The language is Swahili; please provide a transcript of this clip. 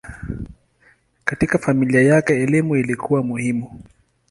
Katika familia yake elimu ilikuwa muhimu.